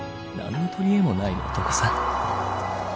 何のとりえもない男さ